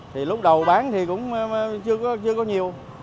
thì lúc đầu bán thì cũng chưa có nhiều